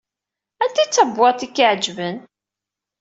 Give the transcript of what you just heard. Anta i d tabwaḍt i k-iɛeǧben?